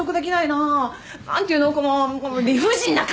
何て言うのこの理不尽な感じ！